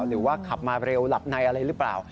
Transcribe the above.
หรือว่าขับมาเร็วหลับในอะไรหรือเปล่า